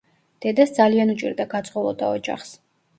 დედას ძალიან უჭირდა გაძღოლოდა ოჯახს.